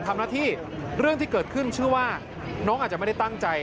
ทำหน้าที่เรื่องที่เกิดขึ้นเชื่อว่าน้องอาจจะไม่ได้ตั้งใจ